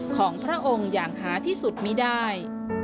ของพระองค์อย่างหาที่สุดไม่ได้